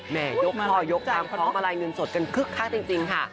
ยกพ่อยกตามคล้องมาลัยเงินสดกันคึกคักจริงค่ะ